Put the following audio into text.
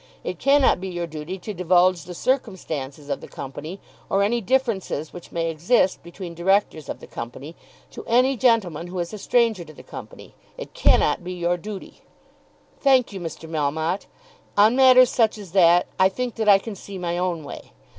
It cannot be your duty to divulge the circumstances of the Company or any differences which may exist between Directors of the Company, to any gentleman who is a stranger to the Company. It cannot be your duty ." "Thank you, Mr. Melmotte. On matters such as that I think that I can see my own way.